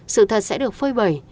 sự thật sẽ được phơi bầy